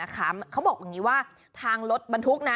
เขาบอกอย่างนี้ว่าทางรถบรรทุกนะ